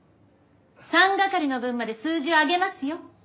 三係の分まで数字を上げますよ。